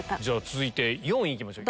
続いて４位いきましょう。